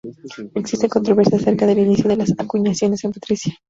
Existen controversias acerca del inicio de las acuñaciones en Patricia.